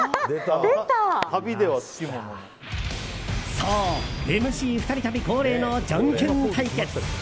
そう、ＭＣ２人旅恒例のじゃんけん対決。